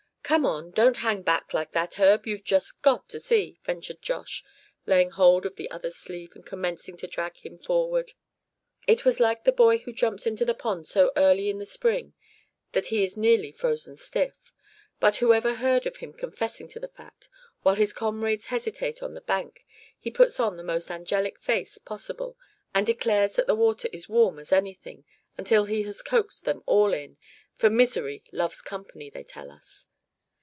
"Come on, don't hang back like that, Herb; you've just got to see!" ventured Josh, laying hold of the other's sleeve, and commencing to drag him forward. It was like the boy who jumps into the pond so early in the spring that he is nearly frozen stiff; but whoever heard of him confessing to the fact; while his comrades hesitate on the bank he puts on the most angelic face possible, and declares that the water is "as warm as anything;" until he has coaxed them all in; for misery loves company, they tell us.